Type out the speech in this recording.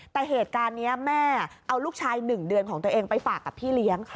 แต่เหตุการณ์นี้แม่เอาลูกชาย๑เดือนของตัวเองไปฝากกับพี่เลี้ยง